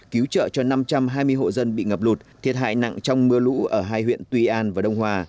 cứu trợ cho năm trăm hai mươi hộ dân bị ngập lụt thiệt hại nặng trong mưa lũ ở hai huyện tuy an và đông hòa